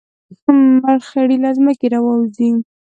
مرخیړي له ځمکې راوځي